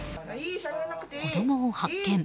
子供を発見。